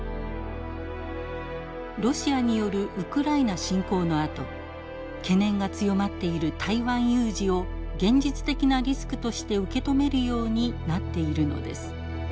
ロシアによるウクライナ侵攻のあと懸念が強まっている台湾有事を現実的なリスクとして受け止めるようになっているのです。